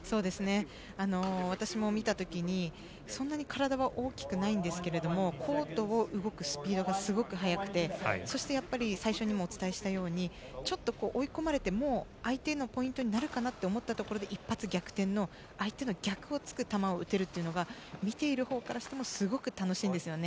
私も見た時にそんなに体は大きくないんですがコートを動くスピードがすごく速くてそして、最初にもお伝えしたようにちょっと追い込まれてもう相手のポイントになるかなと思ったところで一発逆転の相手の逆を突く球を打てるというのが見ているほうからしてもすごく楽しいんですよね。